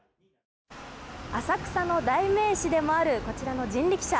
浅草の代名詞でもあるこちらの人力車。